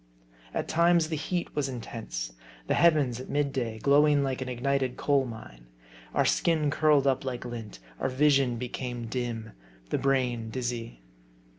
At times the heat was intense. The heavens, at mid day, glowing like an ignited coal mine. Our skin curled up like lint ; our vision became dim ; the brain dizzy.